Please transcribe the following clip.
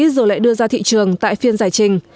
dù lệ đưa ra thị trường tại phiên giải trình